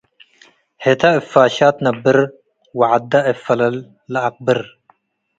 ህተ እብ ፋሻት ትነብር፡ ወዐደ እብ ፈለል ለአቅብር።